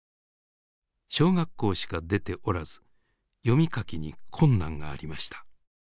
小学校しか出ておらず読み書きに困難がありました。